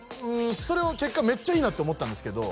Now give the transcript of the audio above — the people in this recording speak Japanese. それは結果めっちゃいいなって思ったんですけど